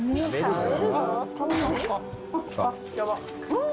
うん！